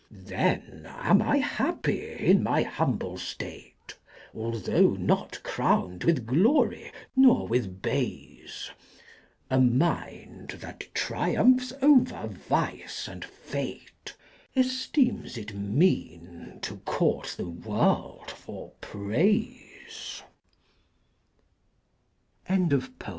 6. Then am I h^ppy in my humble State, Altho' not aown'd with Glory nor with Bays : A Mind, that triumphs Qvef Vice and F^te, Efteems it mean to court the World for Praife.